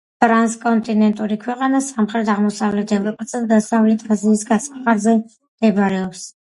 ტრანსკონტინენტური ქვეყანა სამხრეთ აღმოსავლეთ ევროპისა და დასავლეთ აზიის გასაყარზე მდებარეობს.